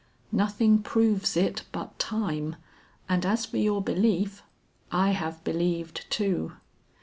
"Nothing proves it but time and as for your belief, I have believed too."